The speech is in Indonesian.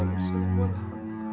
ampunilah ya allah